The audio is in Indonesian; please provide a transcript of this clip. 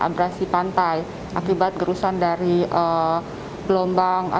abrasi pantai akibat gerusan dari gelombang atau ombak yang cukup cukup tinggi gitu ya pantai kudus